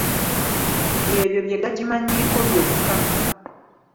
Byebyo bye gakimanyiiko byokka.